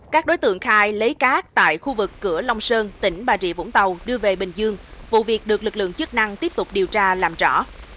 các đối tượng khai lấy cát tại khu vực cửa long sơn tỉnh bà rịa vũng tàu đưa về bình dương vụ việc được lực lượng chức năng tiếp tục điều tra làm rõ